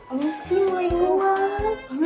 aduh sih mau inget